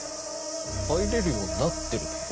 入れるようになってるって事？